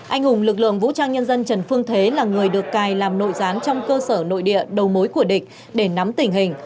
anh hùng lực lượng vũ trang nhân dân trần phương thế là người được cài làm nội gián trong cơ sở nội địa đầu mối của địch để nắm tình hình